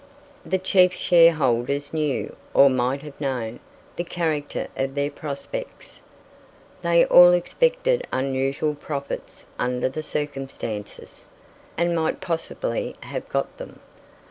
The chief shareholders knew, or might have known, the character of their prospects. They all expected unusual profits under the circumstances, and might possibly have got them.